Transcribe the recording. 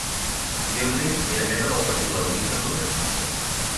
Pilgrim era membre del Partit Laborista Progressista.